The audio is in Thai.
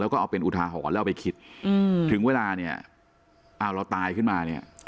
แล้วก็เอาเป็นอุทาหรณ์แล้วไปคิดถึงเวลาเนี่ยเอาเราตายขึ้นมาเนี่ย